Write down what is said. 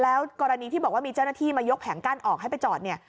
แล้วกรณีที่บอกว่ามีเจ้าหน้าที่มายกแผงกั้นออกให้ไปจอดเนี่ย